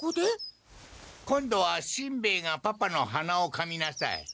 今度はしんべヱがパパのはなをかみなさい。